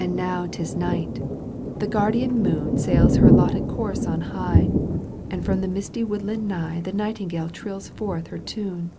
And now 'tis night, the guardian moon Sails her allotted course on high. And from the misty woodland nigh The nightingale trills forth her tune ; Digitized by CjOOQ 1С CANTO in.